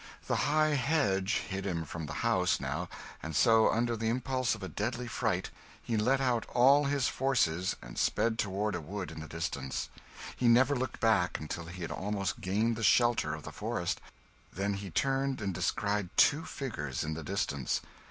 The high hedge hid him from the house, now; and so, under the impulse of a deadly fright, he let out all his forces and sped toward a wood in the distance. He never looked back until he had almost gained the shelter of the forest; then he turned and descried two figures in the distance.